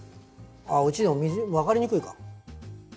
うちでも分かりにくいか？